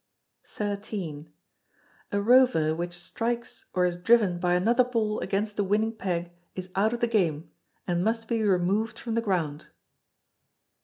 xiii. A rover which strikes or is driven by another ball against the winning peg is out of the game, and must be removed from the ground.